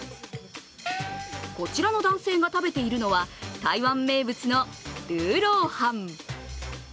こちらの男性が食べているのは台湾名物のルーローハン。